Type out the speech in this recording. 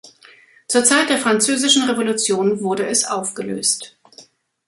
Zur Zeit der Französischen Revolution wurde es aufgelöst.